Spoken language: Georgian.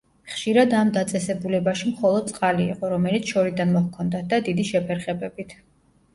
ხშირად ამ დაწესებულებაში მხოლოდ წყალი იყო, რომელიც შორიდან მოჰქონდათ და დიდი შეფერხებებით.